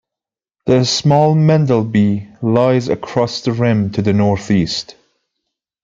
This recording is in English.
The small Mendel B lies across the rim to the northeast.